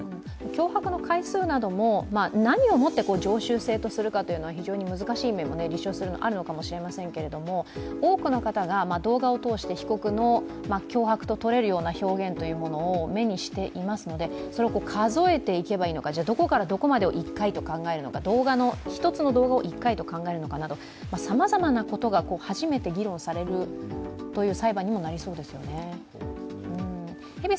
脅迫の回数なども、何をもって常習性とするかというのは非常に難しい面も、立証するのは難しい面もあると思うんですが多くの方が動画を通して被告の脅迫と取れる表現というのを目にしていますので、それを数えていけばいいのか、じゃあどこからどこまでを１回とするのか１つの動画を１回とするのかなど、さまざまなことが初めて議論されるという裁判にもなりそうですよね。